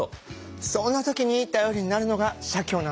そんな時に頼りになるのが社協なんですよね。